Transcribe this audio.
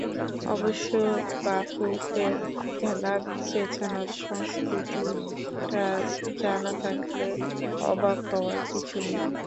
অবশ্য বাফুফের খেলা পেছানোর সংস্কৃতিটা জানা থাকলে অবাক হওয়ার কিছু নেই।